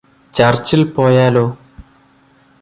ചർച്ചിൽ പോയാലോ